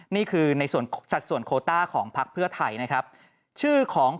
นี่คือในส่วนสัดส่วนโคต้าของพักเพื่อไทยนะครับชื่อของ